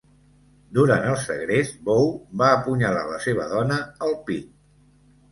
Durant el segrest, Bowe va apunyalar la seva dona al pit.